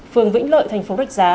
phường vĩnh lợi thành phố rách giá